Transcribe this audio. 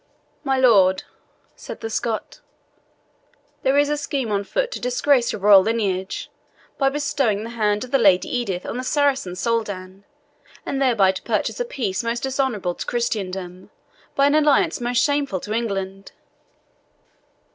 "My lord," said the Scot, "there is a scheme on foot to disgrace your royal lineage, by bestowing the hand of the Lady Edith on the Saracen Soldan, and thereby to purchase a peace most dishonourable to Christendom, by an alliance most shameful to England."